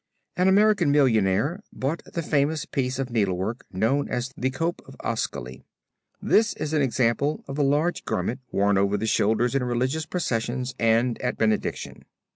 An American millionaire bought the famous piece of needlework known as the Cope of Ascoli. This is an example of the large garment worn over the shoulders in religious processions and at benediction.